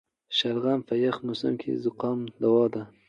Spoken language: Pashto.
شلغم په یخ موسم کې د زکام دوا ده.